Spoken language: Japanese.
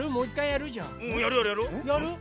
やる？